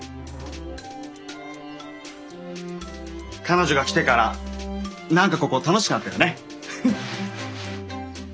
彼女が来てから何かここ楽しくなったよね。